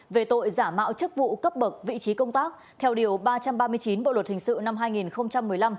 về tội giả mạo chức vụ cấp bậc vị trí công tác theo điều ba trăm ba mươi chín bộ luật hình sự năm hai nghìn một mươi năm